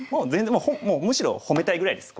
もうむしろ褒めたいぐらいです